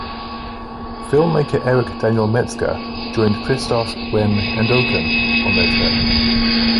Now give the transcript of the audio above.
Filmmaker Eric Daniel Metzgar joined Kristof, Wen and Okun on their trip.